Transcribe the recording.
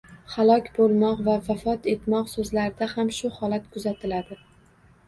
Halok boʻlmoq va vafot etmoq soʻzlarida ham shu holat kuzatiladi